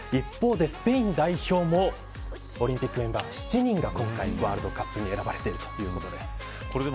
スペイン代表もオリンピックメンバー７人が今回ワールドカップに選ばれているということです。